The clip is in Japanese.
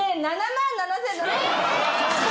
７万７，７００。